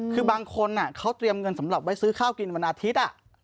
คือบางคนเขาเตรียมเงินสำหรับไว้ซื้อข้าวกินวันอาทิตย์